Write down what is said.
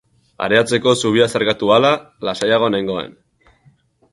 Areatzako zubia zeharkatu ahala, lasaiago nengoen.